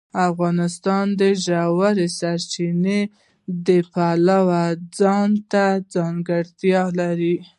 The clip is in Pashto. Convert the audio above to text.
افغانستان د ژورې سرچینې د پلوه ځانته ځانګړتیا لري.